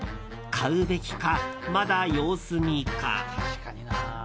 買うべきか、まだ様子見か。